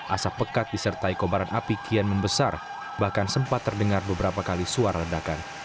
asap pekat disertai kobaran api kian membesar bahkan sempat terdengar beberapa kali suara ledakan